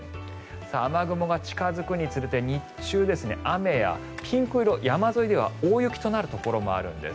雨雲が近付くにつれて日中、雨やピンク色山沿いでは大雪となるところもあるんです。